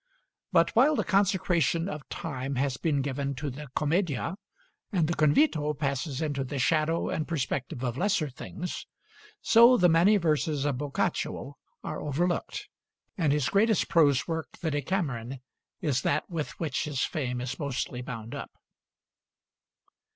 But while the consecration of time has been given to the 'Commedia,' and the 'Convito' passes into the shadow and perspective of lesser things, so the many verses of Boccaccio are overlooked, and his greatest prose work, the 'Decameron,' is that with which his fame is mostly bound up.